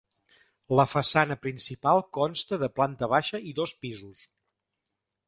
La façana principal consta de planta baixa i dos pisos.